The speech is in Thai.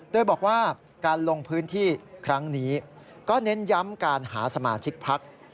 โดยบอกว่าการลงพื้นที่ครั้งนี้ก็เน้นย้ำการหาสมาชิกพัก